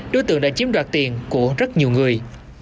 đối tượng đã chiếm đoạt tiền của rất nhiều người